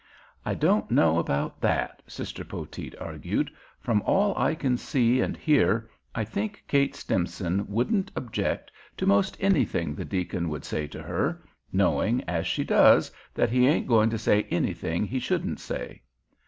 "I don't know about that," Sister Poteet argued. "From all I can see and hear I think Kate Stimson wouldn't object to 'most anything the deacon would say to her, knowing as she does that he ain't going to say anything he shouldn't say."